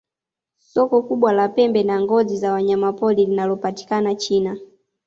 soko kubwa la pembe na ngozi za wanyamapori linalopatikana china